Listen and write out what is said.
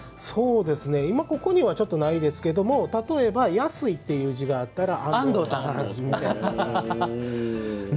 今、ここにはないですけど例えば安いという字があったら安藤さん、みたいな。